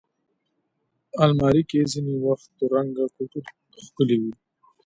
الماري کې ځینې وخت تور رنګه کوټونه ښکلي وي